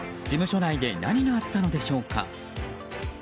事務所内で何があったのでしょうか。